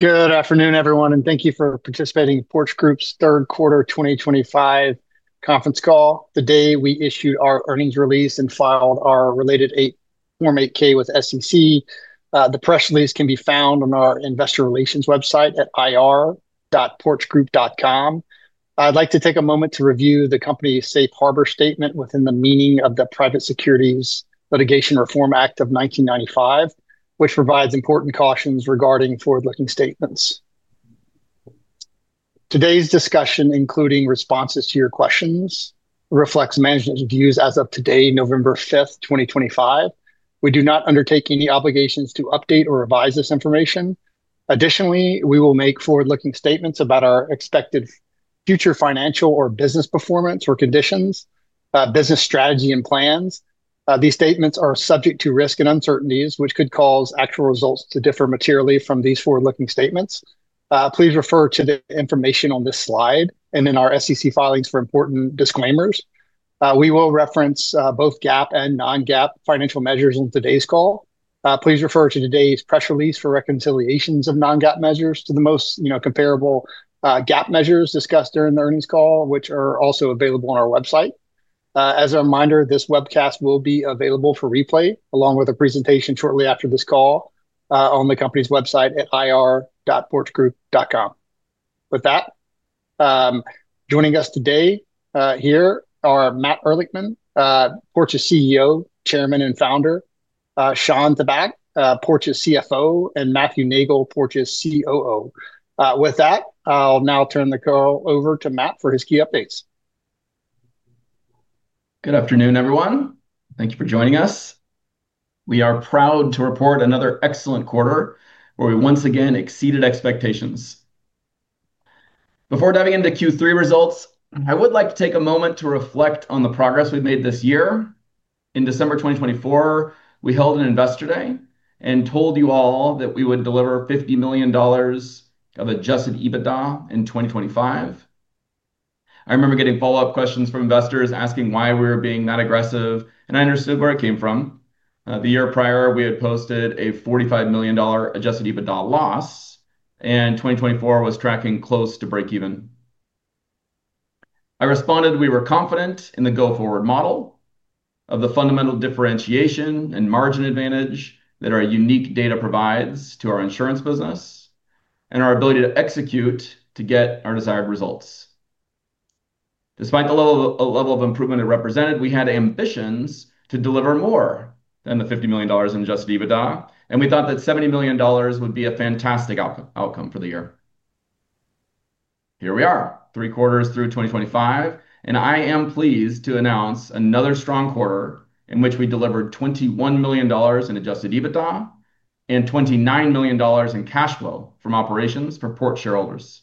Good afternoon, everyone, and thank you for participating in Porch Group's third quarter 2025 conference call, the day we issued our earnings release and filed our related Form 8-K with the SEC. The press release can be found on our investor relations website at ir.porchgroup.com. I'd like to take a moment to review the company's safe harbor statement within the meaning of the Private Securities Litigation Reform Act of 1995, which provides important cautions regarding forward-looking statements. Today's discussion, including responses to your questions, reflects management's views as of today, November 5, 2025. We do not undertake any obligations to update or revise this information. Additionally, we will make forward-looking statements about our expected future financial or business performance or conditions, business strategy, and plans. These statements are subject to risk and uncertainties, which could cause actual results to differ materially from these forward-looking statements. Please refer to the information on this slide and in our SEC filings for important disclaimers. We will reference both GAAP and non-GAAP financial measures on today's call. Please refer to today's press release for reconciliations of non-GAAP measures to the most comparable GAAP measures discussed during the earnings call, which are also available on our website. As a reminder, this webcast will be available for replay along with a presentation shortly after this call on the company's website at ir.porchgroup.com. With that, joining us today here are Matt Ehrlichman, Porch's CEO, Chairman, and Founder; Shawn Tabak, Porch's CFO; and Matthew Neagle, Porch's COO. With that, I'll now turn the call over to Matt for his key updates. Good afternoon, everyone. Thank you for joining us. We are proud to report another excellent quarter where we once again exceeded expectations. Before diving into Q3 results, I would like to take a moment to reflect on the progress we've made this year. In December 2024, we held an investor day and told you all that we would deliver $50 million of adjusted EBITDA in 2025. I remember getting follow-up questions from investors asking why we were being that aggressive, and I understood where it came from. The year prior, we had posted a $45 million adjusted EBITDA loss, and 2024 was tracking close to breakeven. I responded we were confident in the go-forward model of the fundamental differentiation and margin advantage that our unique data provides to our insurance business. Our ability to execute to get our desired results. Despite the level of improvement it represented, we had ambitions to deliver more than the $50 million in adjusted EBITDA, and we thought that $70 million would be a fantastic outcome for the year. Here we are, three quarters through 2025, and I am pleased to announce another strong quarter in which we delivered $21 million in adjusted EBITDA and $29 million in cash flow from operations for Porch shareholders.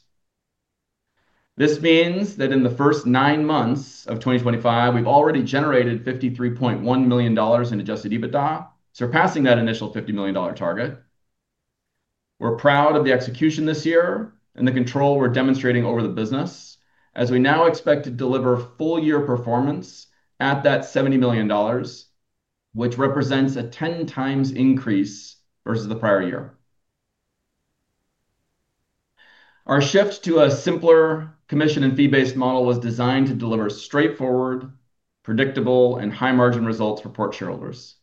This means that in the first nine months of 2025, we've already generated $53.1 million in adjusted EBITDA, surpassing that initial $50 million target. We're proud of the execution this year and the control we're demonstrating over the business, as we now expect to deliver full-year performance at that $70 million. Which represents a 10 times increase versus the prior year. Our shift to a simpler commission and fee-based model was designed to deliver straightforward, predictable, and high-margin results for Porch shareholders.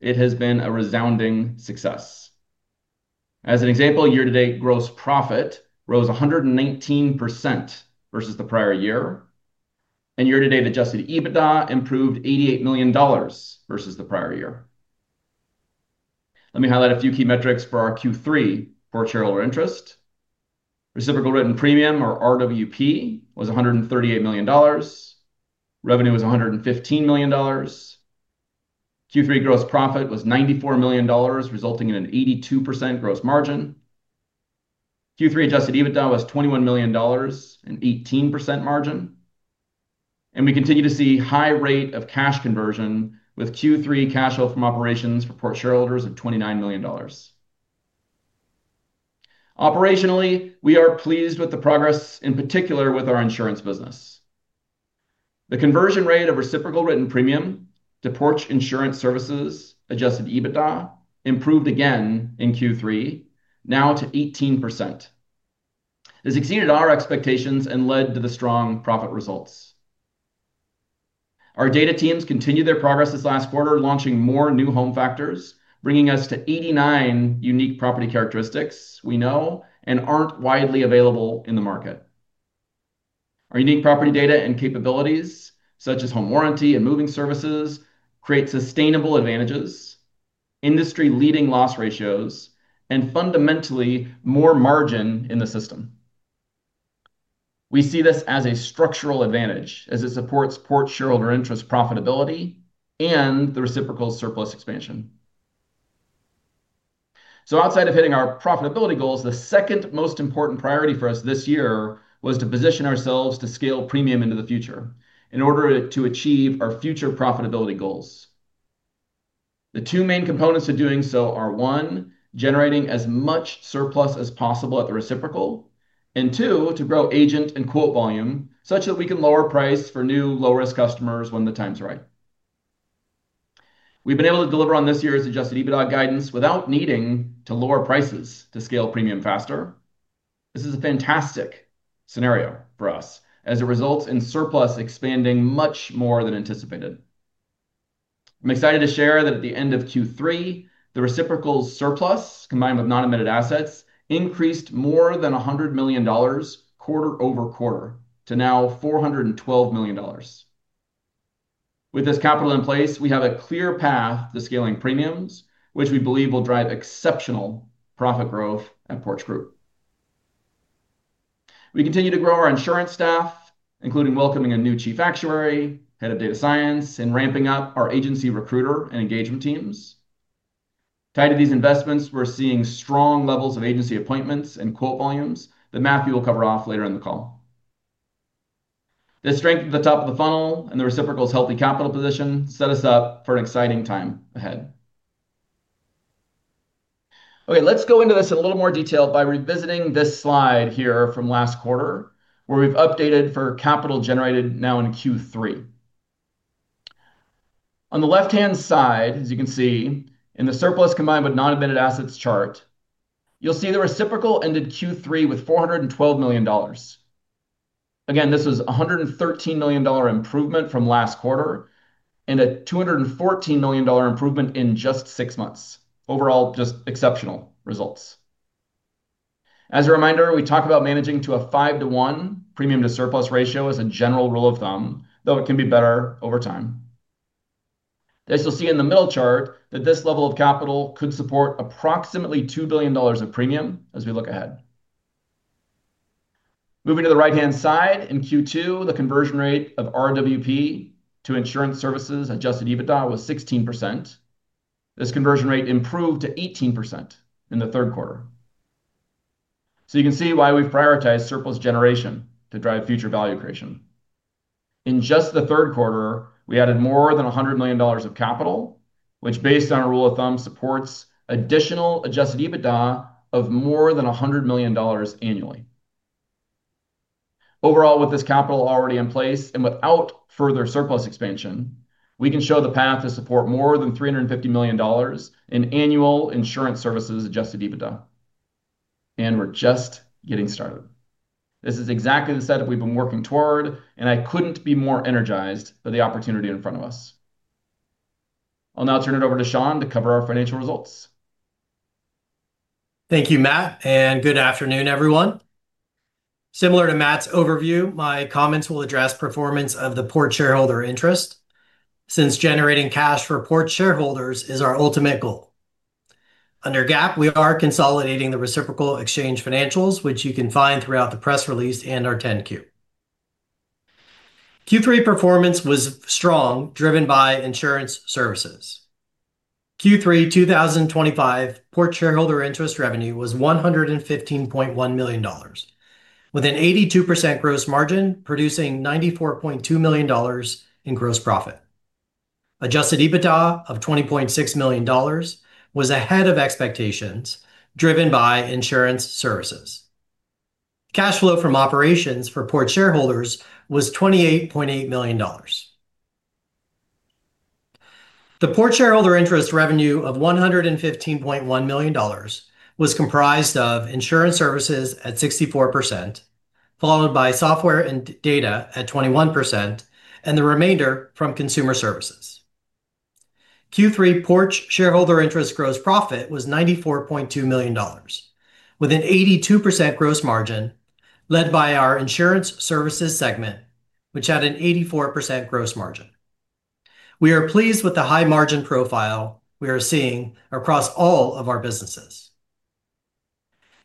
It has been a resounding success. As an example, year-to-date gross profit rose 119% versus the prior year, and year-to-date adjusted EBITDA improved $88 million versus the prior year. Let me highlight a few key metrics for our Q3 Porch shareholder interest. Reciprocal written premium, or RWP, was $138 million. Revenue was $115 million. Q3 gross profit was $94 million, resulting in an 82% gross margin. Q3 adjusted EBITDA was $21 million and 18% margin. We continue to see a high rate of cash conversion with Q3 cash flow from operations for Porch shareholders of $29 million. Operationally, we are pleased with the progress, in particular with our insurance business. The conversion rate of reciprocal written premium to Porch Insurance Services adjusted EBITDA improved again in Q3, now to 18%. This exceeded our expectations and led to the strong profit results. Our data teams continued their progress this last quarter, launching more new Home Factors, bringing us to 89 unique property characteristics we know and aren't widely available in the market. Our unique property data and capabilities, such as Home Warranty and Moving Services, create sustainable advantages. Industry-leading loss ratios, and fundamentally more margin in the system. We see this as a structural advantage as it supports Porch shareholder interest profitability and the reciprocal surplus expansion. Outside of hitting our profitability goals, the second most important priority for us this year was to position ourselves to scale premium into the future in order to achieve our future profitability goals. The two main components to doing so are, one, generating as much surplus as possible at the reciprocal, and two, to grow agent and quote volume such that we can lower price for new low-risk customers when the time's right. We've been able to deliver on this year's adjusted EBITDA guidance without needing to lower prices to scale premium faster. This is a fantastic scenario for us as it results in surplus expanding much more than anticipated. I'm excited to share that at the end of Q3, the reciprocal surplus combined with non-admitted assets increased more than $100 million quarter over quarter to now $412 million. With this capital in place, we have a clear path to scaling premiums, which we believe will drive exceptional profit growth at Porch Group. We continue to grow our insurance staff, including welcoming a new Chief Actuary, Head of Data Science, and ramping up our agency recruiter and engagement teams. Tied to these investments, we're seeing strong levels of agency appointments and quote volumes that Matthew will cover off later in the call. The strength at the top of the funnel and the reciprocal's healthy capital position set us up for an exciting time ahead. Okay, let's go into this in a little more detail by revisiting this slide here from last quarter, where we've updated for capital generated now in Q3. On the left-hand side, as you can see in the surplus combined with non-admitted assets chart, you'll see the reciprocal ended Q3 with $412 million. Again, this was a $113 million improvement from last quarter and a $214 million improvement in just six months. Overall, just exceptional results. As a reminder, we talk about managing to a 5-1 premium-to-surplus ratio as a general rule of thumb, though it can be better over time. As you'll see in the middle chart, this level of capital could support approximately $2 billion of premium as we look ahead. Moving to the right-hand side, in Q2, the conversion rate of RWP to insurance services adjusted EBITDA was 16%. This conversion rate improved to 18% in the third quarter. You can see why we've prioritized surplus generation to drive future value creation. In just the third quarter, we added more than $100 million of capital, which, based on a rule of thumb, supports additional adjusted EBITDA of more than $100 million annually. Overall, with this capital already in place and without further surplus expansion, we can show the path to support more than $350 million in annual insurance services adjusted EBITDA. We're just getting started. This is exactly the setup we've been working toward, and I couldn't be more energized by the opportunity in front of us. I'll now turn it over to Shawn to cover our financial results. Thank you, Matt, and good afternoon, everyone. Similar to Matt's overview, my comments will address performance of the Porch shareholder interest since generating cash for Porch shareholders is our ultimate goal. Under GAAP, we are consolidating the reciprocal exchange financials, which you can find throughout the press release and our 10-Q. Q3 performance was strong, driven by insurance services. Q3 2025 Porch shareholder interest revenue was $115.1 million, with an 82% gross margin producing $94.2 million in gross profit. Adjusted EBITDA of $20.6 million was ahead of expectations, driven by insurance services. Cash flow from operations for Porch shareholders was $28.8 million. The Porch shareholder interest revenue of $115.1 million was comprised of insurance services at 64%, followed by software and data at 21%, and the remainder from consumer services. Q3 Porch shareholder interest gross profit was $94.2 million, with an 82% gross margin led by our Insurance Services segment, which had an 84% gross margin. We are pleased with the high margin profile we are seeing across all of our businesses.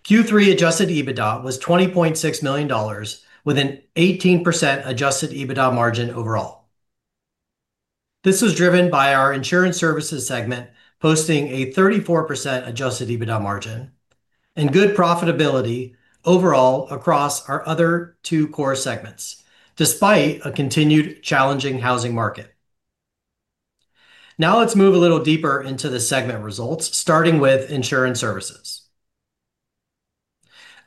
Q3 adjusted EBITDA was $20.6 million, with an 18% adjusted EBITDA margin overall. This was driven by our Insurance Services segment posting a 34% adjusted EBITDA margin and good profitability overall across our other two core segments, despite a continued challenging housing market. Now let's move a little deeper into the segment results, starting with Insurance Services.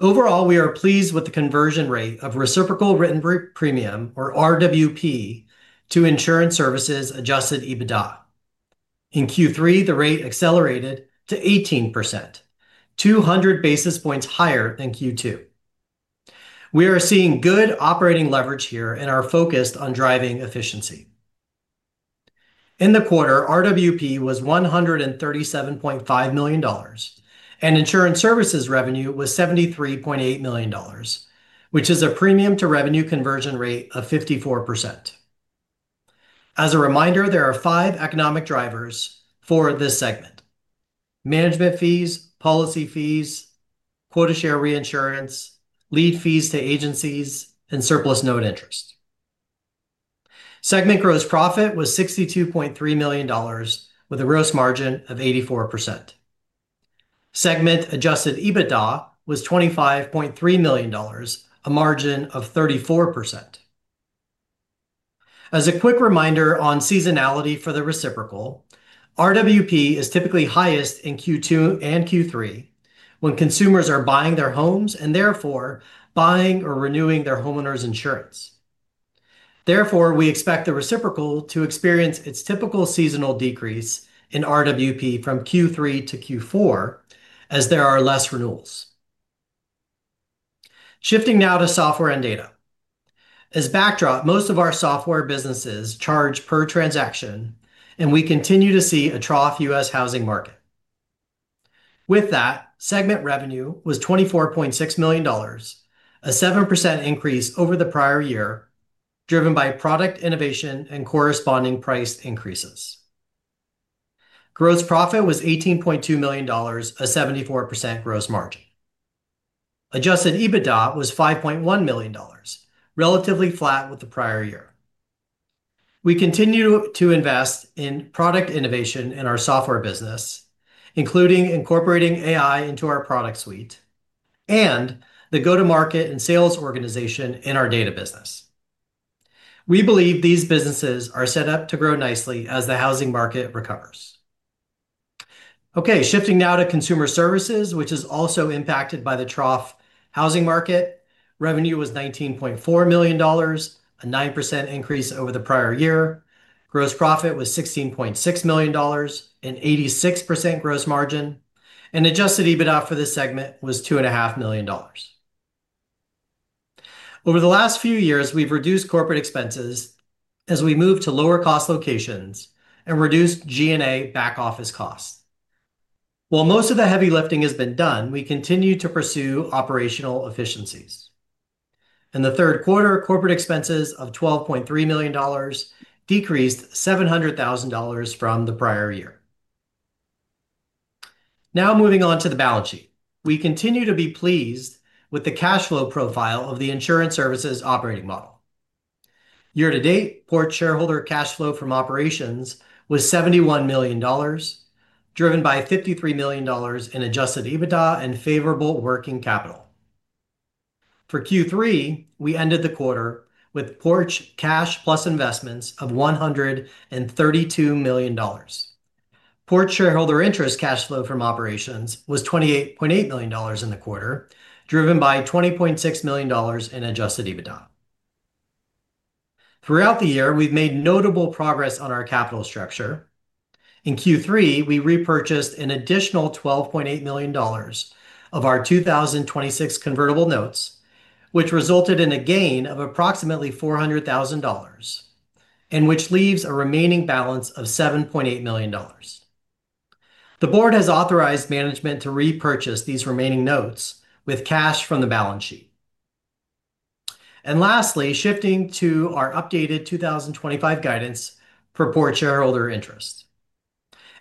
Overall, we are pleased with the conversion rate of reciprocal written premium, or RWP, to Insurance Services adjusted EBITDA. In Q3, the rate accelerated to 18%, 200 basis points higher than Q2. We are seeing good operating leverage here and are focused on driving efficiency. In the quarter, RWP was $137.5 million, and insurance services revenue was $73.8 million, which is a premium-to-revenue conversion rate of 54%. As a reminder, there are five economic drivers for this segment: management fees, policy fees, quota share reinsurance, lead fees to agencies, and surplus note interest. Segment gross profit was $62.3 million, with a gross margin of 84%. Segment adjusted EBITDA was $25.3 million, a margin of 34%. As a quick reminder on seasonality for the reciprocal, RWP is typically highest in Q2 and Q3 when consumers are buying their homes and therefore buying or renewing their homeowners insurance. Therefore, we expect the reciprocal to experience its typical seasonal decrease in RWP from Q3 to Q4, as there are fewer renewals. Shifting now to software and data. As backdrop, most of our software businesses charge per transaction, and we continue to see a trough U.S. housing market. With that, segment revenue was $24.6 million, a 7% increase over the prior year, driven by product innovation and corresponding price increases. Gross profit was $18.2 million, a 74% gross margin. Adjusted EBITDA was $5.1 million, relatively flat with the prior year. We continue to invest in product innovation in our software business, including incorporating AI into our product suite and the go-to-market and sales organization in our data business. We believe these businesses are set up to grow nicely as the housing market recovers. Okay, shifting now to consumer services, which is also impacted by the trough housing market. Revenue was $19.4 million, a 9% increase over the prior year. Gross profit was $16.6 million, an 86% gross margin, and adjusted EBITDA for this segment was $2.5 million. Over the last few years, we've reduced corporate expenses as we moved to lower-cost locations and reduced G&A back-office costs. While most of the heavy lifting has been done, we continue to pursue operational efficiencies. In the third quarter, corporate expenses of $12.3 million decreased $700,000 from the prior year. Now moving on to the balance sheet, we continue to be pleased with the cash flow profile of the insurance services operating model. Year-to-date, Porch shareholder cash flow from operations was $71 million, driven by $53 million in adjusted EBITDA and favorable working capital. For Q3, we ended the quarter with Porch cash plus investments of $132 million. Porch shareholder interest cash flow from operations was $28.8 million in the quarter, driven by $20.6 million in adjusted EBITDA. Throughout the year, we have made notable progress on our capital structure. In Q3, we repurchased an additional $12.8 million of our 2026 convertible notes, which resulted in a gain of approximately $400,000, and which leaves a remaining balance of $7.8 million. The board has authorized management to repurchase these remaining notes with cash from the balance sheet. Lastly, shifting to our updated 2025 guidance for Porch shareholder interest.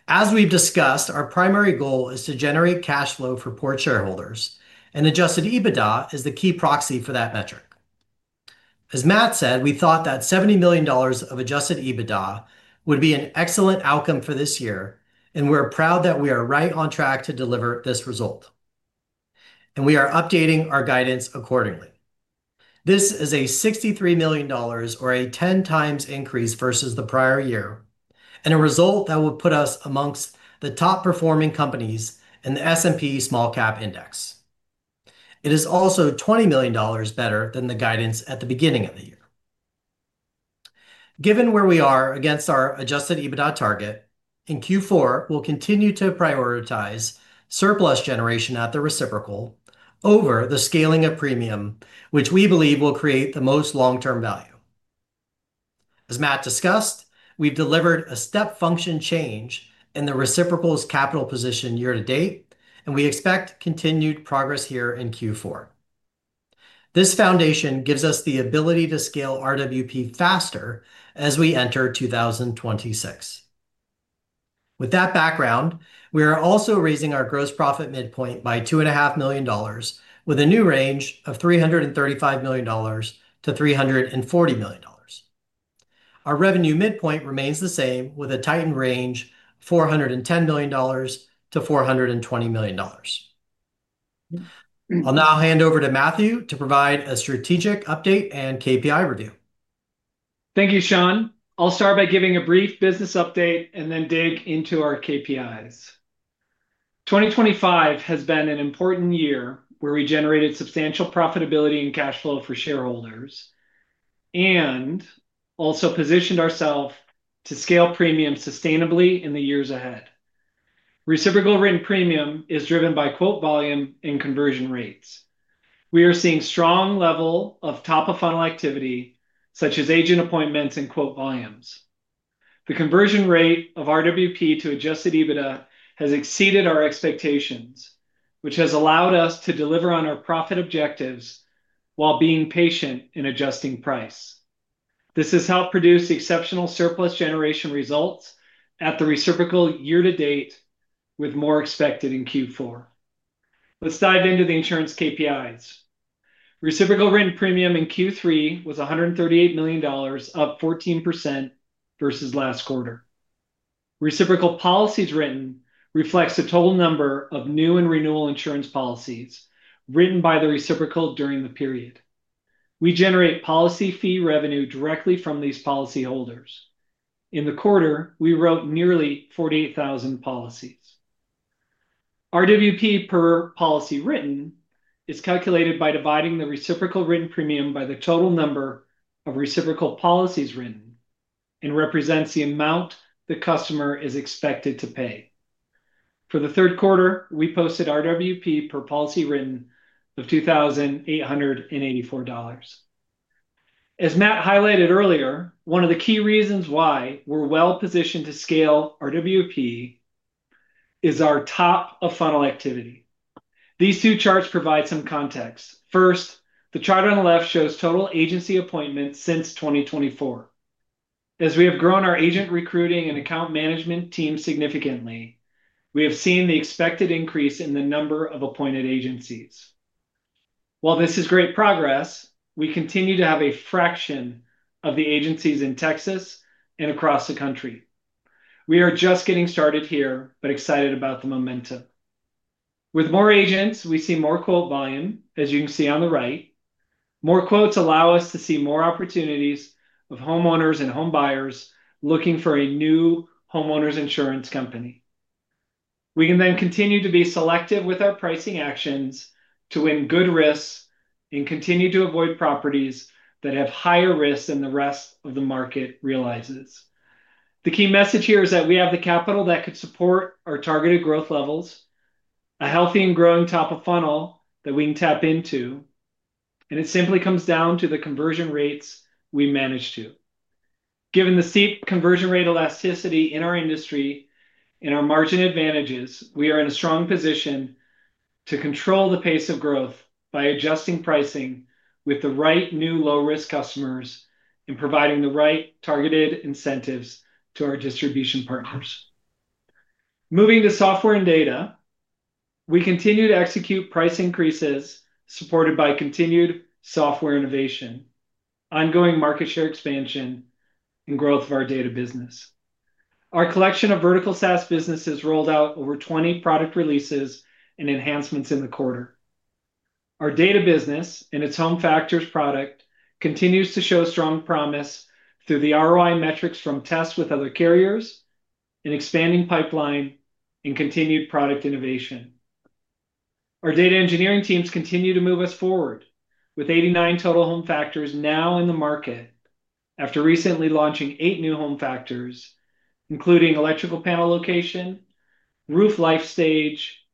As we've discussed, our primary goal is to generate cash flow for Porch shareholders, and adjusted EBITDA is the key proxy for that metric. As Matt said, we thought that $70 million of adjusted EBITDA would be an excellent outcome for this year, and we're proud that we are right on track to deliver this result. We are updating our guidance accordingly. This is a $63 million, or a 10 times increase versus the prior year, and a result that will put us amongst the top-performing companies in the S&P Small Cap Index. It is also $20 million better than the guidance at the beginning of the year. Given where we are against our adjusted EBITDA target, in Q4, we'll continue to prioritize surplus generation at the reciprocal over the scaling of premium, which we believe will create the most long-term value. As Matt discussed, we've delivered a step function change in the reciprocal's capital position year-to-date, and we expect continued progress here in Q4. This foundation gives us the ability to scale RWP faster as we enter 2026. With that background, we are also raising our gross profit midpoint by $2.5 million, with a new range of $335 million-$340 million. Our revenue midpoint remains the same, with a tightened range of $410 million-$420 million. I'll now hand over to Matthew to provide a strategic update and KPI review. Thank you, Shawn. I'll start by giving a brief business update and then dig into our KPIs. 2025 has been an important year where we generated substantial profitability and cash flow for shareholders. Also positioned ourselves to scale premium sustainably in the years ahead. Reciprocal written premium is driven by quote volume and conversion rates. We are seeing a strong level of top-of-funnel activity, such as agent appointments and quote volumes. The conversion rate of RWP to adjusted EBITDA has exceeded our expectations, which has allowed us to deliver on our profit objectives while being patient in adjusting price. This has helped produce exceptional surplus generation results at the reciprocal year-to-date, with more expected in Q4. Let's dive into the insurance KPIs. Reciprocal written premium in Q3 was $138 million, up 14% versus last quarter. Reciprocal policies written reflects the total number of new and renewal insurance policies written by the reciprocal during the period. We generate policy fee revenue directly from these policyholders. In the quarter, we wrote nearly 48,000 policies. RWP per policy written is calculated by dividing the reciprocal written premium by the total number of reciprocal policies written and represents the amount the customer is expected to pay. For the third quarter, we posted RWP per policy written of $2,884. As Matt highlighted earlier, one of the key reasons why we're well-positioned to scale RWP is our top-of-funnel activity. These two charts provide some context. First, the chart on the left shows total agency appointments since 2024. As we have grown our agent recruiting and account management team significantly, we have seen the expected increase in the number of appointed agencies. While this is great progress, we continue to have a fraction of the agencies in Texas and across the country. We are just getting started here, but excited about the momentum. With more agents, we see more quote volume, as you can see on the right. More quotes allow us to see more opportunities of homeowners and home buyers looking for a new homeowners insurance company. We can then continue to be selective with our pricing actions to win good risks and continue to avoid properties that have higher risks than the rest of the market realizes. The key message here is that we have the capital that could support our targeted growth levels, a healthy and growing top-of-funnel that we can tap into. It simply comes down to the conversion rates we manage to. Given the steep conversion rate elasticity in our industry and our margin advantages, we are in a strong position. To control the pace of growth by adjusting pricing with the right new low-risk customers and providing the right targeted incentives to our distribution partners. Moving to software and data, we continue to execute price increases supported by continued software innovation, ongoing market share expansion, and growth of our data business. Our collection of vertical SaaS businesses rolled out over 20 product releases and enhancements in the quarter. Our data business and its Home Factors product continues to show strong promise through the ROI metrics from tests with other carriers, an expanding pipeline, and continued product innovation. Our data engineering teams continue to move us forward with 89 total home factors now in the market after recently launching eight new home factors, including electrical panel location, roof life stage,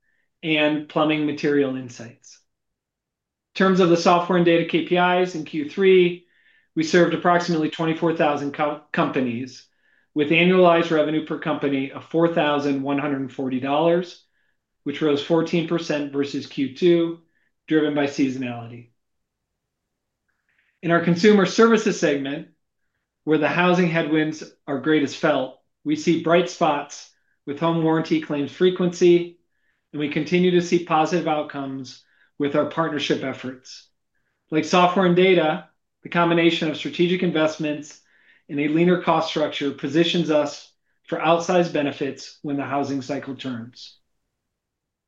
and plumbing material insights. In terms of the software and data KPIs in Q3, we served approximately 24,000 companies with annualized revenue per company of $4,140, which rose 14% versus Q2, driven by seasonality. In our consumer services segment, where the housing headwinds are greatest felt, we see bright spots with home warranty claims frequency, and we continue to see positive outcomes with our partnership efforts. Like software and data, the combination of strategic investments and a leaner cost structure positions us for outsized benefits when the housing cycle turns.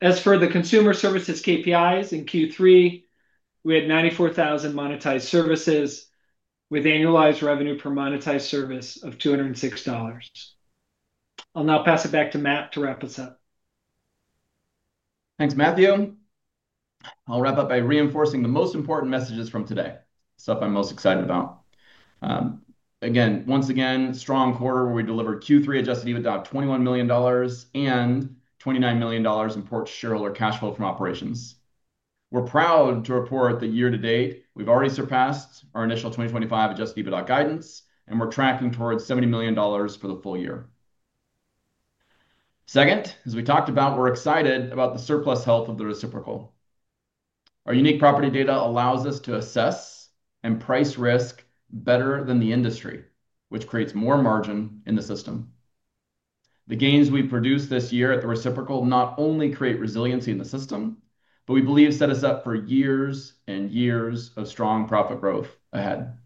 As for the consumer services KPIs in Q3, we had 94,000 monetized services with annualized revenue per monetized service of $206. I'll now pass it back to Matt to wrap us up. Thanks, Matthew. I'll wrap up by reinforcing the most important messages from today, stuff I'm most excited about. Again, once again, strong quarter where we delivered Q3 adjusted EBITDA of $21 million and $29 million in Porch shareholder cash flow from operations. We're proud to report that year-to-date, we've already surpassed our initial 2025 adjusted EBITDA guidance, and we're tracking towards $70 million for the full year. Second, as we talked about, we're excited about the surplus health of the reciprocal. Our unique property data allows us to assess and price risk better than the industry, which creates more margin in the system. The gains we produce this year at the reciprocal not only create resiliency in the system, but we believe set us up for years and years of strong profit growth ahead.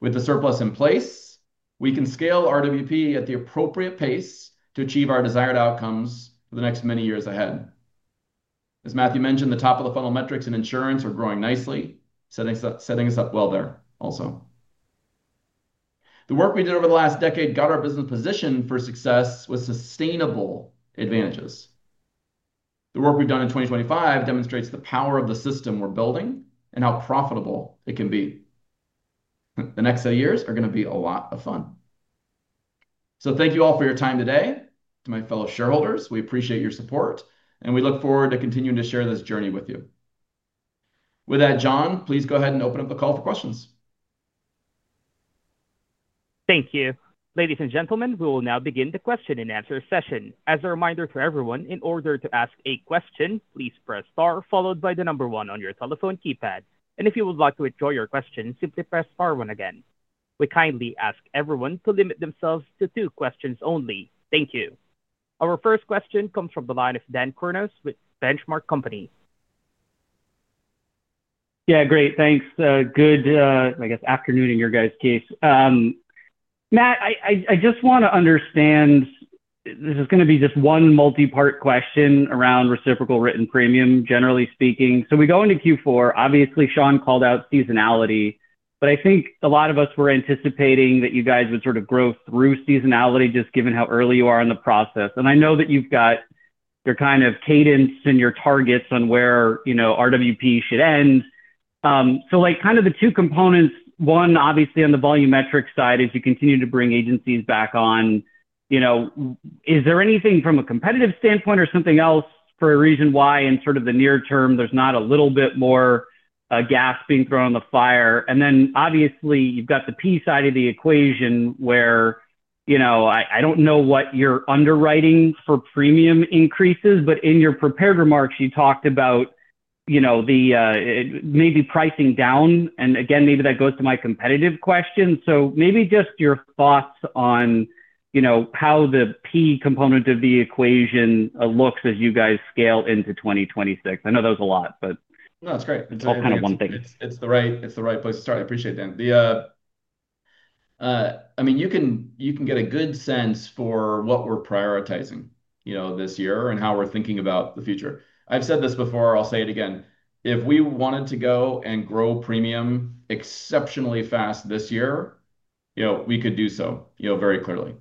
With the surplus in place, we can scale RWP at the appropriate pace to achieve our desired outcomes for the next many years ahead. As Matthew mentioned, the top-of-the-funnel metrics in insurance are growing nicely, setting us up well there also. The work we did over the last decade got our business positioned for success with sustainable advantages. The work we've done in 2025 demonstrates the power of the system we're building and how profitable it can be. The next set of years are going to be a lot of fun. Thank you all for your time today. To my fellow shareholders, we appreciate your support, and we look forward to continuing to share this journey with you. With that, John, please go ahead and open up the call for questions. Thank you. Ladies and gentlemen, we will now begin the question and answer session. As a reminder for everyone, in order to ask a question, please press star followed by the number one on your telephone keypad. If you would like to withdraw your question, simply press star one again. We kindly ask everyone to limit themselves to two questions only. Thank you. Our first question comes from the line of Dan Kurnos with Benchmark Company. Yeah, great. Thanks. Good, I guess, afternoon in your guys' case. Matt, I just want to understand. This is going to be just one multi-part question around reciprocal written premium, generally speaking. So we go into Q4. Obviously, Shawn called out seasonality, but I think a lot of us were anticipating that you guys would sort of grow through seasonality, just given how early you are in the process. And I know that you've got your kind of cadence and your targets on where RWP should end. So kind of the two components, one, obviously on the volume metric side, as you continue to bring agencies back on. Is there anything from a competitive standpoint or something else for a reason why in sort of the near term there's not a little bit more gas being thrown on the fire? Obviously, you've got the P side of the equation where I don't know what you're underwriting for premium increases, but in your prepared remarks, you talked about maybe pricing down. Maybe that goes to my competitive question. Maybe just your thoughts on how the P component of the equation looks as you guys scale into 2026. I know that was a lot, but No, that's great. It's all kind of one thing. It's the right place to start. I appreciate that. I mean, you can get a good sense for what we're prioritizing this year and how we're thinking about the future. I've said this before, I'll say it again. If we wanted to go and grow premium exceptionally fast this year, we could do so very clearly.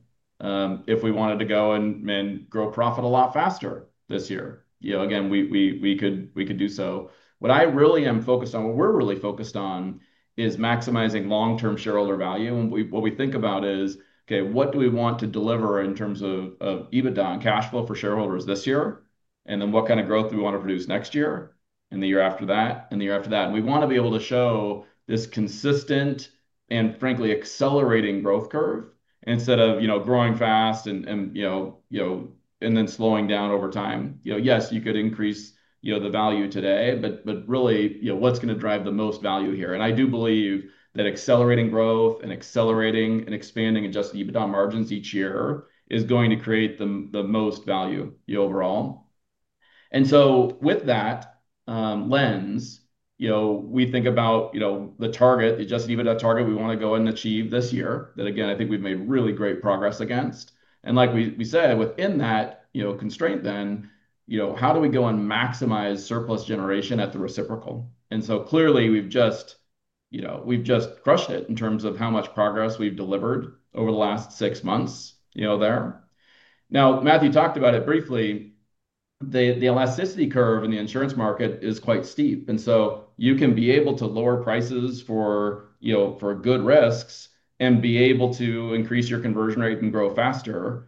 If we wanted to go and grow profit a lot faster this year, again, we could do so. What I really am focused on, what we're really focused on, is maximizing long-term shareholder value. What we think about is, okay, what do we want to deliver in terms of EBITDA and cash flow for shareholders this year? What kind of growth do we want to produce next year and the year after that and the year after that? We want to be able to show this consistent and, frankly, accelerating growth curve instead of growing fast and then slowing down over time. Yes, you could increase the value today, but really, what's going to drive the most value here? I do believe that accelerating growth and accelerating and expanding adjusted EBITDA margins each year is going to create the most value overall. With that lens, we think about the target, the adjusted EBITDA target we want to go and achieve this year that, again, I think we've made really great progress against. Like we said, within that constraint, then, how do we go and maximize surplus generation at the reciprocal? Clearly, we've just crushed it in terms of how much progress we've delivered over the last six months there. Now, Matthew talked about it briefly. The elasticity curve in the insurance market is quite steep. You can be able to lower prices for good risks and be able to increase your conversion rate and grow faster.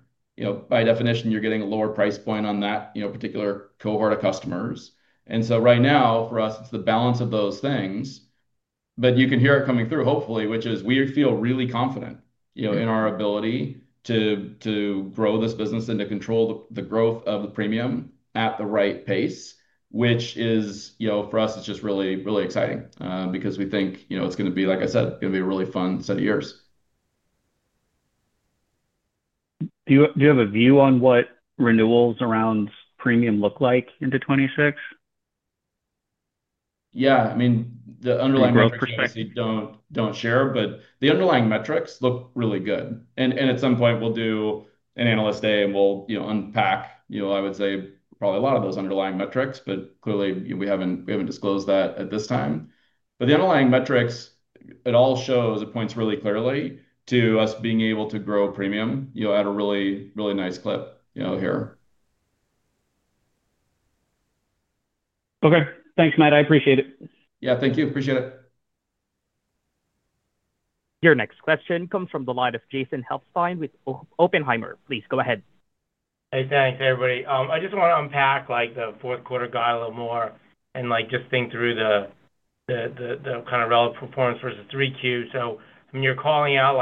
By definition, you are getting a lower price point on that particular cohort of customers. Right now, for us, it is the balance of those things. You can hear it coming through, hopefully, which is we feel really confident in our ability to grow this business and to control the growth of the premium at the right pace, which for us is just really exciting because we think it is going to be, like I said, going to be a really fun set of years. Do you have a view on what renewals around premium look like into 2026? Yeah. I mean, the underlying metrics I don't share, but the underlying metrics look really good. At some point, we'll do an analyst day and we'll unpack, I would say, probably a lot of those underlying metrics, but clearly, we haven't disclosed that at this time. The underlying metrics, it all shows it points really clearly to us being able to grow premium at a really nice clip here. Okay. Thanks, Matt. I appreciate it. Yeah, thank you. Appreciate it. Your next question comes from the line of Jason Helfstein with Oppenheimer. Please go ahead. Hey, thanks, everybody. I just want to unpack the fourth quarter guide a little more and just think through the kind of relative performance versus 3Q. When you're calling out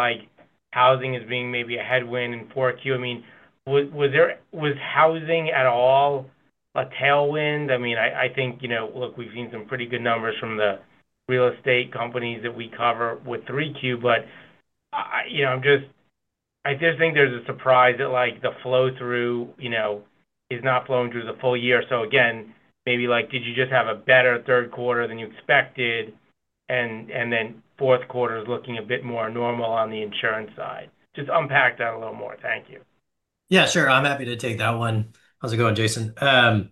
housing as being maybe a headwind in 4Q, I mean, was housing at all a tailwind? I mean, I think, look, we've seen some pretty good numbers from the real estate companies that we cover with 3Q, but I just think there's a surprise that the flow through is not flowing through the full year. Again, maybe did you just have a better third quarter than you expected? Then fourth quarter is looking a bit more normal on the insurance side. Just unpack that a little more. Thank you. Yeah, sure. I'm happy to take that one. How's it going, Jason? I'll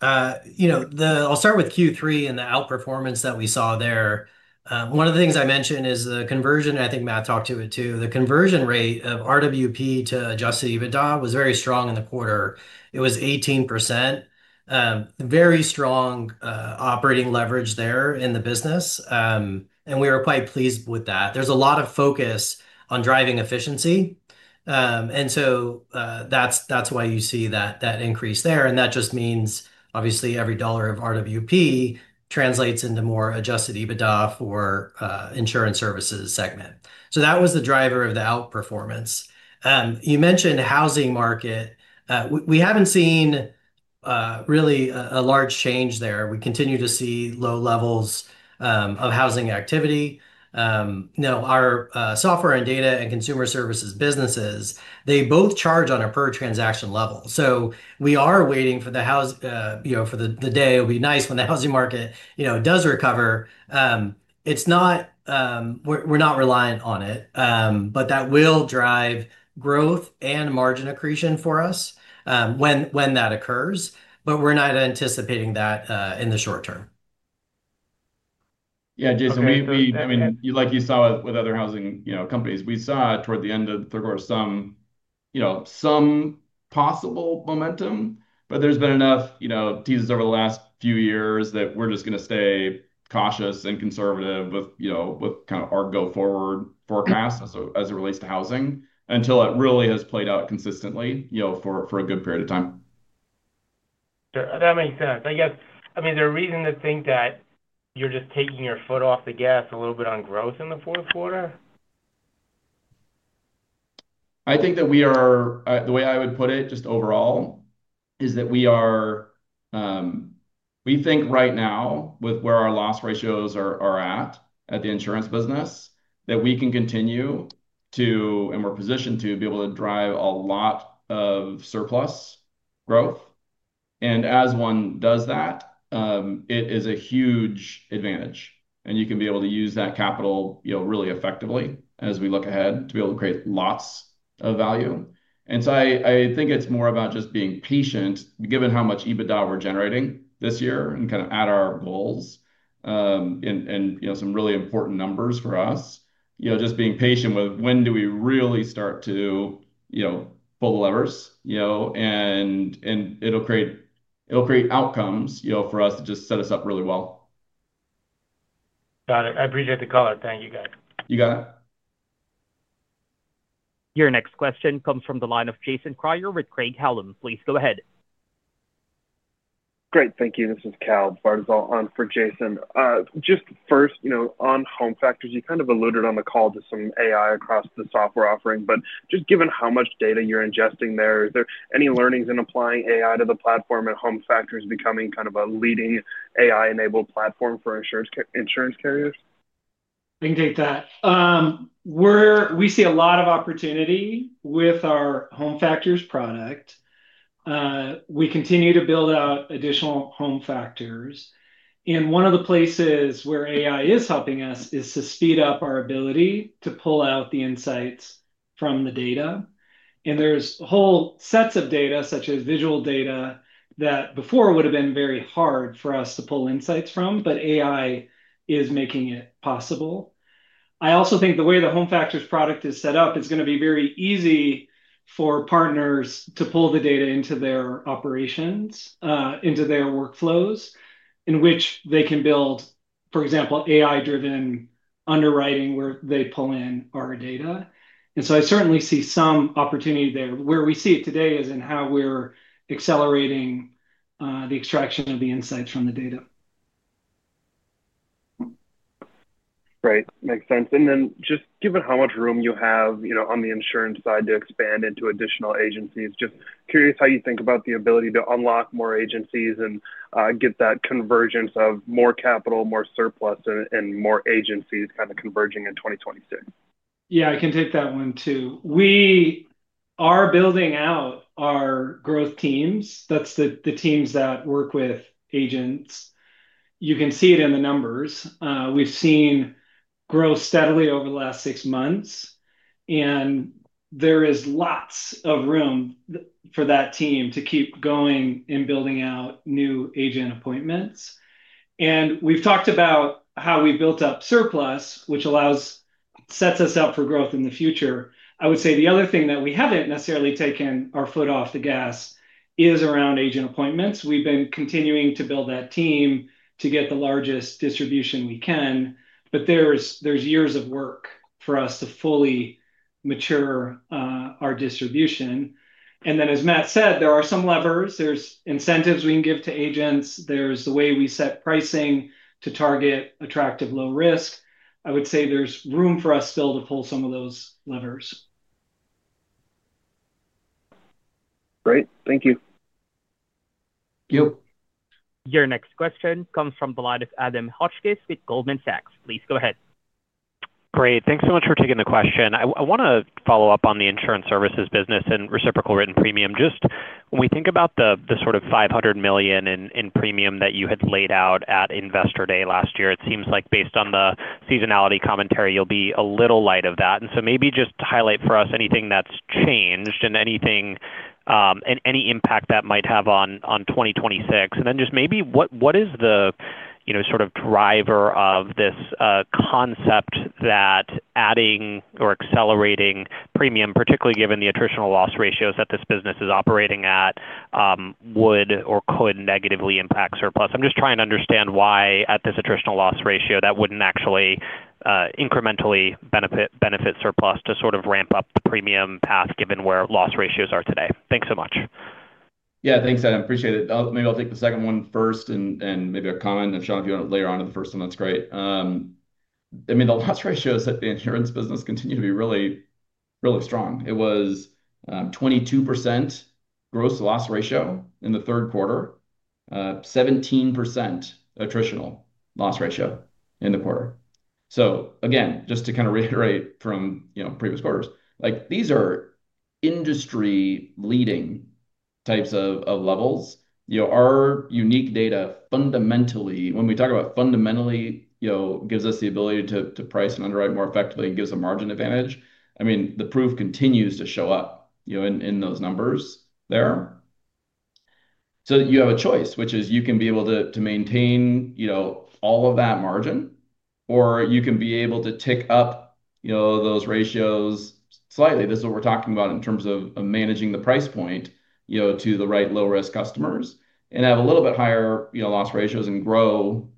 start with Q3 and the outperformance that we saw there. One of the things I mentioned is the conversion, and I think Matt talked to it too. The conversion rate of RWP to adjusted EBITDA was very strong in the quarter. It was 18%. Very strong operating leverage there in the business. We were quite pleased with that. There's a lot of focus on driving efficiency. That is why you see that increase there. That just means, obviously, every dollar of RWP translates into more adjusted EBITDA for the insurance services segment. That was the driver of the outperformance. You mentioned housing market. We haven't seen. Really a large change there. We continue to see low levels of housing activity. Now, our software and data and consumer services businesses, they both charge on a per-transaction level. We are waiting for the, for the day it'll be nice when the housing market does recover. We're not reliant on it, but that will drive growth and margin accretion for us when that occurs, but we're not anticipating that in the short term. Yeah, Jason, I mean, like you saw with other housing companies, we saw toward the end of the third quarter some possible momentum, but there's been enough teases over the last few years that we're just going to stay cautious and conservative with kind of our go-forward forecast as it relates to housing until it really has played out consistently for a good period of time. That makes sense. I guess, I mean, is there a reason to think that you're just taking your foot off the gas a little bit on growth in the fourth quarter? I think that we are, the way I would put it, just overall, is that we think right now with where our loss ratios are at, at the insurance business, that we can continue to, and we're positioned to be able to drive a lot of surplus growth. As one does that, it is a huge advantage. You can be able to use that capital really effectively as we look ahead to be able to create lots of value. I think it's more about just being patient, given how much EBITDA we're generating this year and kind of at our goals, and some really important numbers for us. Just being patient with when do we really start to pull the levers, and it'll create outcomes for us to just set us up really well. Got it. I appreciate the call. Thank you, guys. You got it. Your next question comes from the line of Jason Kreyer with Craig-Hallum. Please go ahead. Great. Thank you. This is Cal Bartyzal on for Jason. Just first, on Home Factors, you kind of alluded on the call to some AI across the software offering, but just given how much data you're ingesting there, is there any learnings in applying AI to the platform and Home Factors becoming kind of a leading AI-enabled platform for insurance carriers? I can take that. We see a lot of opportunity with our Home Factors product. We continue to build out additional Home Factors. One of the places where AI is helping us is to speed up our ability to pull out the insights from the data. There are whole sets of data, such as visual data, that before would have been very hard for us to pull insights from, but AI is making it possible. I also think the way the Home Factors product is set up is going to be very easy for partners to pull the data into their operations, into their workflows, in which they can build, for example, AI-driven underwriting where they pull in our data. I certainly see some opportunity there. Where we see it today is in how we're accelerating the extraction of the insights from the data. Great. Makes sense. Just given how much room you have on the insurance side to expand into additional agencies, just curious how you think about the ability to unlock more agencies and get that convergence of more capital, more surplus, and more agencies kind of converging in 2026. Yeah, I can take that one too. We are building out our growth teams. That's the teams that work with agents. You can see it in the numbers. We've seen growth steadily over the last six months. There is lots of room for that team to keep going and building out new agent appointments. We've talked about how we built up surplus, which sets us up for growth in the future. I would say the other thing that we haven't necessarily taken our foot off the gas is around agent appointments. We've been continuing to build that team to get the largest distribution we can. There are years of work for us to fully mature our distribution. As Matt said, there are some levers. There are incentives we can give to agents. There is the way we set pricing to target attractive low risk. I would say there's room for us still to pull some of those levers. Great. Thank you. Yup. Your next question comes from the line of Adam Hotchkiss with Goldman Sachs. Please go ahead. Great. Thanks so much for taking the question. I want to follow up on the insurance services business and reciprocal written premium. Just when we think about the sort of $500 million in premium that you had laid out at Investor Day last year, it seems like based on the seasonality commentary, you'll be a little light of that. Maybe just highlight for us anything that's changed. Any impact that might have on 2026. Maybe what is the sort of driver of this concept that adding or accelerating premium, particularly given the attritional loss ratios that this business is operating at, would or could negatively impact surplus? I'm just trying to understand why at this attritional loss ratio that wouldn't actually incrementally benefit surplus to sort of ramp up the premium path given where loss ratios are today. Thanks so much. Yeah, thanks, Adam. Appreciate it. Maybe I'll take the second one first and maybe a comment. If Shawn, if you want to layer onto the first one, that's great. I mean, the loss ratios that the insurance business continue to be really, really strong. It was 22% gross loss ratio in the third quarter. 17% attritional loss ratio in the quarter. Just to kind of reiterate from previous quarters, these are industry-leading types of levels. Our unique data fundamentally, when we talk about fundamentally, gives us the ability to price and underwrite more effectively and gives a margin advantage. I mean, the proof continues to show up in those numbers there. You have a choice, which is you can be able to maintain all of that margin, or you can be able to tick up those ratios slightly. This is what we're talking about in terms of managing the price point. To the right low-risk customers and have a little bit higher loss ratios and grow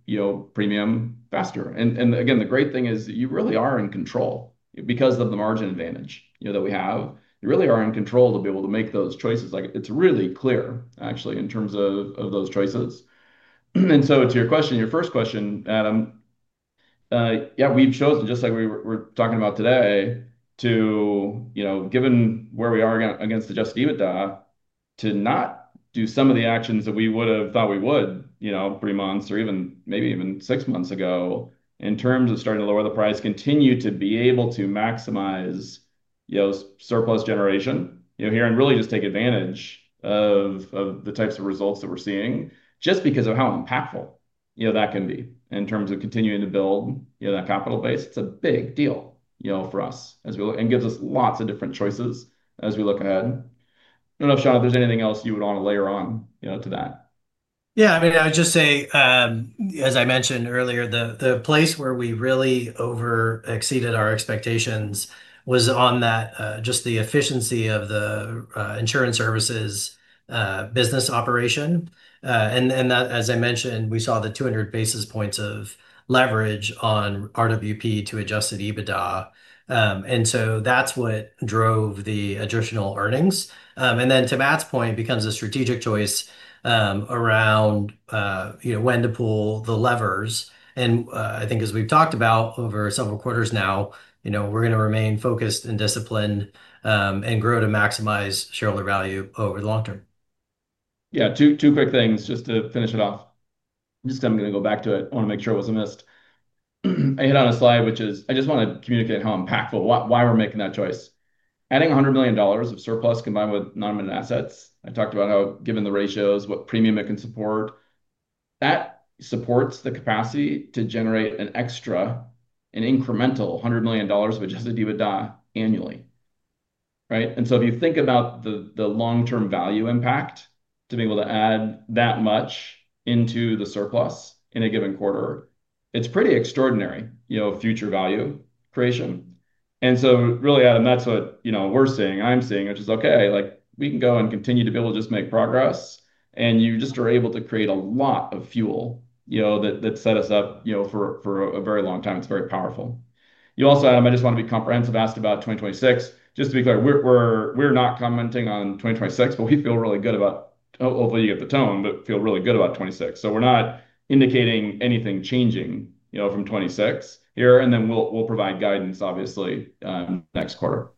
premium faster. The great thing is you really are in control because of the margin advantage that we have. You really are in control to be able to make those choices. It's really clear, actually, in terms of those choices. To your question, your first question, Adam. Yeah, we've chosen, just like we were talking about today, to, given where we are against adjusted EBITDA, to not do some of the actions that we would have thought we would three months or even maybe even six months ago in terms of starting to lower the price, continue to be able to maximize. Surplus generation here and really just take advantage of the types of results that we're seeing just because of how impactful that can be in terms of continuing to build that capital base. It's a big deal for us and gives us lots of different choices as we look ahead. I don't know if Shawn, if there's anything else you would want to layer on to that. Yeah. I mean, I would just say, as I mentioned earlier, the place where we really over-exceeded our expectations was on that, just the efficiency of the insurance services business operation. And as I mentioned, we saw the 200 basis points of leverage on RWP to adjusted EBITDA. And so that's what drove the additional earnings. Then to Matt's point, it becomes a strategic choice around when to pull the levers. I think, as we've talked about over several quarters now, we're going to remain focused and disciplined and grow to maximize shareholder value over the long term. Yeah. Two quick things just to finish it off. I'm going to go back to it. I want to make sure it wasn't missed. I hit on a slide, which is I just want to communicate how impactful, why we're making that choice. Adding $100 million of surplus combined with non-admitted assets, I talked about how, given the ratios, what premium it can support. That supports the capacity to generate an extra, an incremental $100 million of adjusted EBITDA annually. Right? If you think about the long-term value impact to be able to add that much into the surplus in a given quarter, it's pretty extraordinary future value creation. Really, Adam, that's what we're seeing, I'm seeing, which is, okay, we can go and continue to be able to just make progress. You just are able to create a lot of fuel. That set us up for a very long time. It's very powerful. You also, Adam, I just want to be comprehensive, asked about 2026. Just to be clear, we're not commenting on 2026, but we feel really good about, hopefully, you get the tone, but feel really good about 2026. We're not indicating anything changing from 2026 here. We will provide guidance, obviously, next quarter.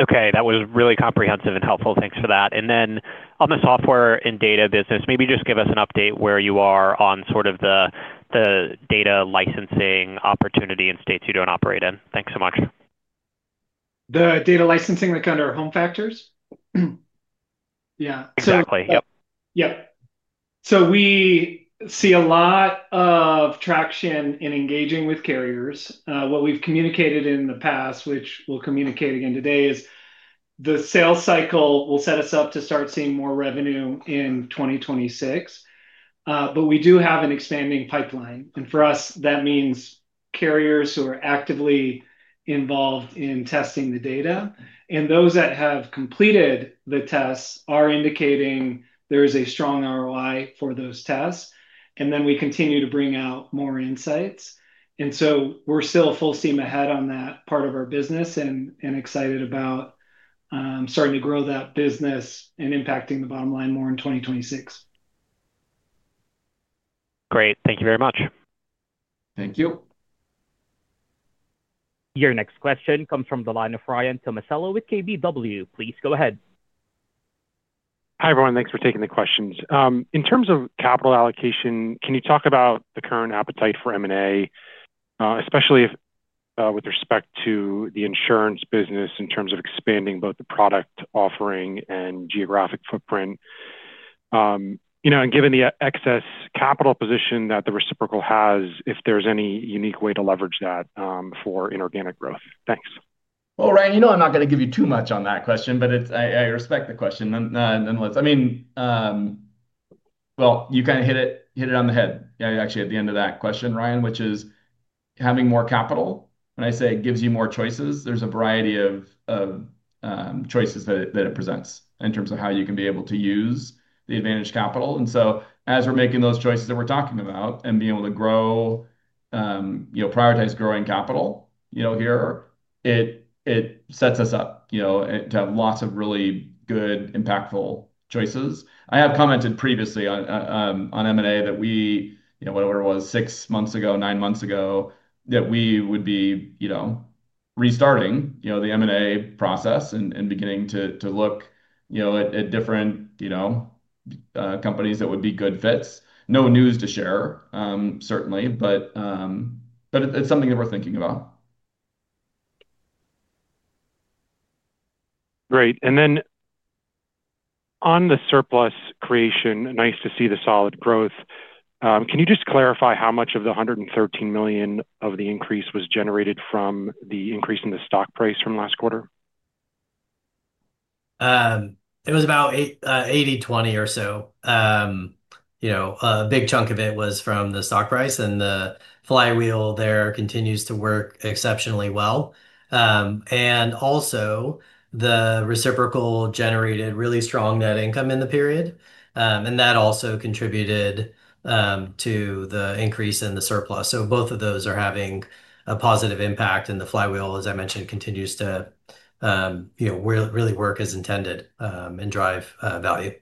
Okay. That was really comprehensive and helpful. Thanks for that. On the software and data business, maybe just give us an update where you are on sort of the data licensing opportunity in states you do not operate in. Thanks so much. The data licensing under Home Factors? Yeah. Exactly. Yep. Yep. We see a lot of traction in engaging with carriers. What we have communicated in the past, which we will communicate again today, is the sales cycle will set us up to start seeing more revenue in 2026. We do have an expanding pipeline. For us, that means carriers who are actively involved in testing the data. Those that have completed the tests are indicating there is a strong ROI for those tests. We continue to bring out more insights. We are still full steam ahead on that part of our business and excited about starting to grow that business and impacting the bottom line more in 2026. Great. Thank you very much. Thank you. Your next question comes from the line of Ryan Tomasello with KBW. Please go ahead. Hi everyone. Thanks for taking the questions. In terms of capital allocation, can you talk about the current appetite for M&A? Especially with respect to the insurance business in terms of expanding both the product offering and geographic footprint? Given the excess capital position that the reciprocal has, if there's any unique way to leverage that for inorganic growth. Thanks. Ryan, you know I'm not going to give you too much on that question, but I respect the question nonetheless. I mean, you kind of hit it on the head, actually, at the end of that question, Ryan, which is having more capital. When I say it gives you more choices, there's a variety of choices that it presents in terms of how you can be able to use the advantage capital. And as we're making those choices that we're talking about and being able to grow, prioritize growing capital here, it sets us up to have lots of really good, impactful choices. I have commented previously on M&A that we, whatever it was, six months ago, nine months ago, that we would be restarting the M&A process and beginning to look at different companies that would be good fits. No news to share, certainly, but. It's something that we're thinking about. Great. On the surplus creation, nice to see the solid growth. Can you just clarify how much of the $113 million of the increase was generated from the increase in the stock price from last quarter? It was about 80/20 or so. A big chunk of it was from the stock price, and the flywheel there continues to work exceptionally well. Also, the reciprocal generated really strong net income in the period. That also contributed to the increase in the surplus. Both of those are having a positive impact, and the flywheel, as I mentioned, continues to really work as intended and drive value.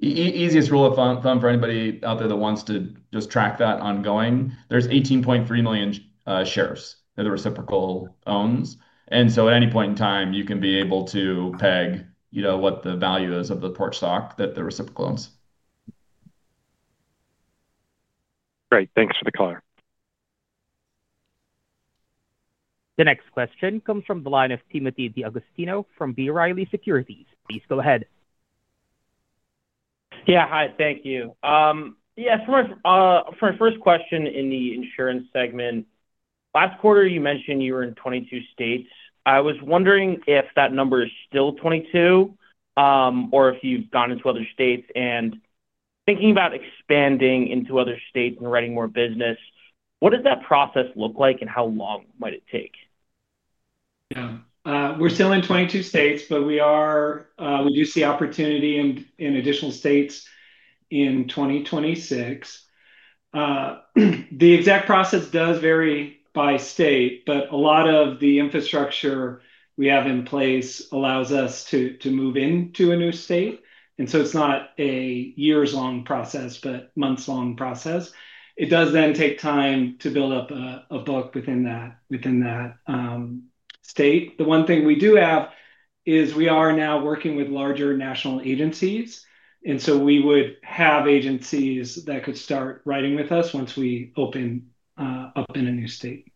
Easiest rule of thumb for anybody out there that wants to just track that ongoing, there's 18.3 million shares that the reciprocal owns. And so at any point in time, you can be able to peg what the value is of the Porch stock that the reciprocal owns. Great. Thanks for the color. The next question comes from the line of Timothy D'Agostino from B. Riley Securities. Please go ahead. Yeah. Hi. Thank you. Yeah. For our first question in the insurance segment. Last quarter, you mentioned you were in 22 states. I was wondering if that number is still 22. Or if you've gone into other states. Thinking about expanding into other states and writing more business, what does that process look like and how long might it take? Yeah. We're still in 22 states, but we do see opportunity in additional states in 2026. The exact process does vary by state, but a lot of the infrastructure we have in place allows us to move into a new state. It is not a years-long process, but months-long process. It does then take time to build up a book within that state. The one thing we do have is we are now working with larger national agencies. We would have agencies that could start writing with us once we open up in a new state.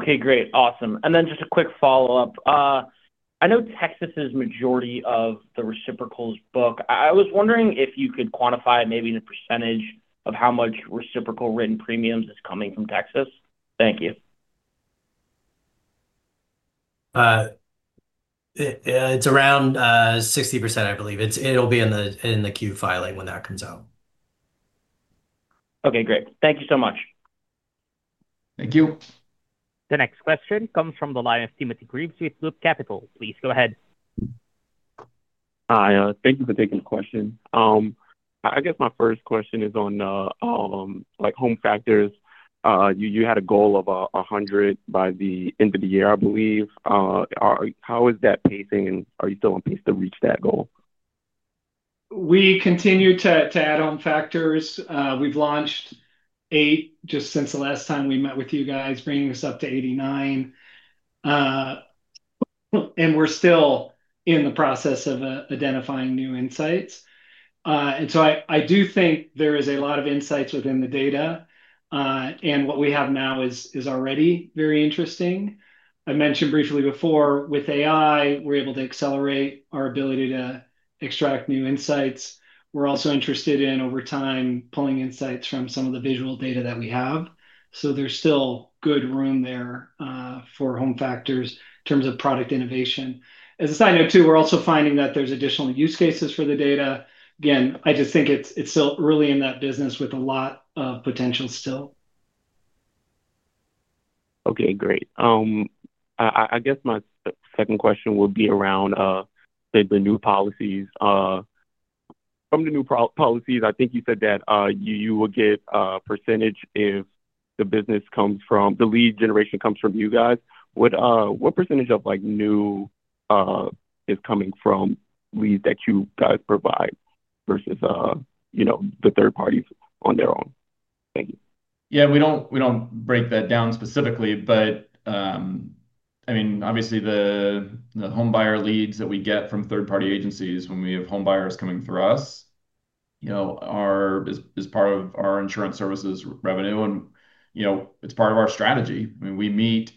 Okay. Great. Awesome. And then just a quick follow-up. I know Texas is the majority of the reciprocal's book. I was wondering if you could quantify maybe the percentage of how much reciprocal written premiums is coming from Texas. Thank you. It's around 60%, I believe. It'll be in the Q filing when that comes out. Okay. Great. Thank you so much. Thank you. The next question comes from the line of Timothy Greaves with Loop Capital. Please go ahead. Hi. Thank you for taking the question. I guess my first question is on Home Factors. You had a goal of 100 by the end of the year, I believe. How is that pacing, and are you still on pace to reach that goal? We continue to add Home Factors. We've launched eight just since the last time we met with you guys, bringing us up to 89. We're still in the process of identifying new insights. I do think there is a lot of insights within the data. What we have now is already very interesting. I mentioned briefly before, with AI, we're able to accelerate our ability to extract new insights. We're also interested in, over time, pulling insights from some of the visual data that we have. There is still good room there for Home Factors in terms of product innovation. As a side note too, we're also finding that there's additional use cases for the data. I just think it's still early in that business with a lot of potential still. Okay. Great. I guess my second question would be around the new policies. From the new policies, I think you said that you will get a percentage if the business comes from the lead generation comes from you guys. What percentage of new is coming from leads that you guys provide versus the third parties on their own? Thank you. Yeah. We don't break that down specifically, but. I mean, obviously, the homebuyer leads that we get from third-party agencies when we have homebuyers coming through us is part of our insurance services revenue, and it's part of our strategy. I mean, we meet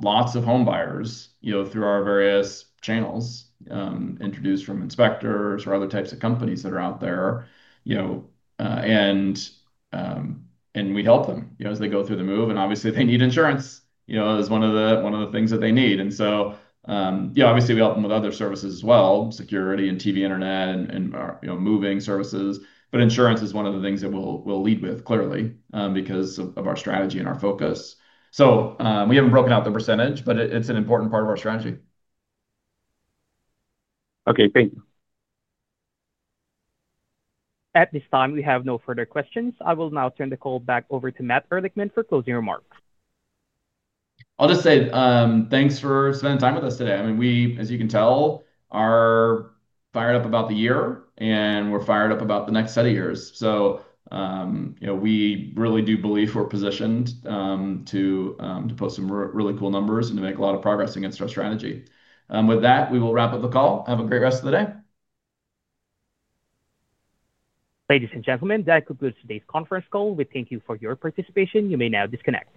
lots of homebuyers through our various channels, introduced from inspectors or other types of companies that are out there. We help them as they go through the move. Obviously, they need insurance as one of the things that they need. Yeah, obviously, we help them with other services as well, security and TV internet and moving services. Insurance is one of the things that we'll lead with clearly because of our strategy and our focus. We haven't broken out the percentage, but it's an important part of our strategy. Okay. Thank you. At this time, we have no further questions. I will now turn the call back over to Matt Ehrlichman for closing remarks. I'll just say thanks for spending time with us today. I mean, as you can tell, we're fired up about the year, and we're fired up about the next set of years. We really do believe we're positioned to post some really cool numbers and to make a lot of progress against our strategy. With that, we will wrap up the call. Have a great rest of the day. Ladies and gentlemen, that concludes today's conference call. We thank you for your participation. You may now disconnect.